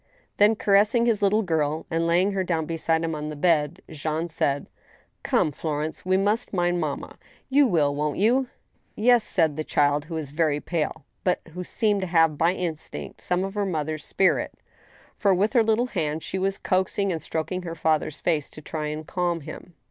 Th^n, caressing his little girl and laying her down beside him on the bed, Jean said :*• Come, Florence, we must mind mamma. You will, won't you ?"" Yes," said the child, who' was very pale, but who seemed to have "by instinct some of her mother's spirit, for, with her little hands, she was coaxing and stroking her father's face, to try and calm him.